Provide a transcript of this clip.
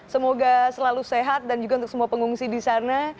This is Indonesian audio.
semoga selalu sehat dan juga untuk semua pengungsi di sana